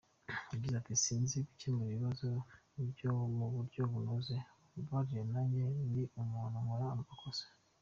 Yagize ati “Sinzi gukemura ibibazo mu buryo bunoze mumbabarire, nanjye ndi umuntu nkora amakosa”.